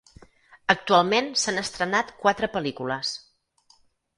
Actualment s'han estrenat quatre pel·lícules.